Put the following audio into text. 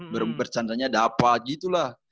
bercandanya dapat gitu lah